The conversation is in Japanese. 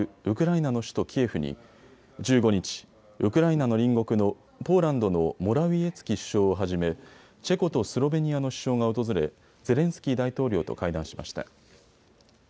ウクライナの首都キエフに１５日、ウクライナの隣国のポーランドのモラウィエツキ首相をはじめチェコとスロベニアの首相が訪れゼレンスキー大統領と会談しました。